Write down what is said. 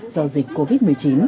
do dịch covid một mươi chín